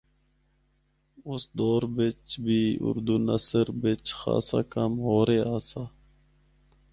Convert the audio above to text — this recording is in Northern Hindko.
اُس دور بچ بھی اُردو نثر بچ خاصا کم ہو رہیا آسا۔